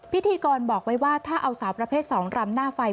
พิธีกรบอกไว้ว่าถ้าเอาสาวประเภท๒รำหน้าไฟ